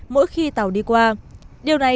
mỗi khi tàu đi qua điều này